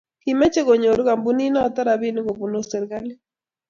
Kimeche konyoru kampunit noto robinik kobunu serikalit.